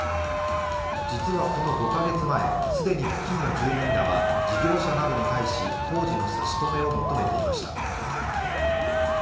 実は、この５カ月前既に付近の住民らは事業者などに対し、工事の差し止めを求めていました。